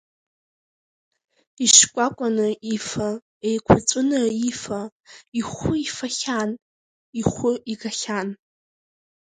Ишкәакәаны ифа, еиқәаҵәаны ифа, ихәы ифахьан, ихәы игахьан.